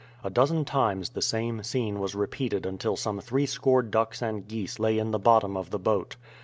A dozen times the same scene was repeated until some three score ducks and geese lay in the bottom of the boat.